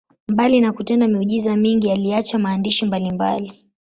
Mbali na kutenda miujiza mingi, aliacha maandishi mbalimbali.